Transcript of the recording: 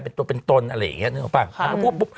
เป็นตัวเป็นตนอะไรอย่างนี้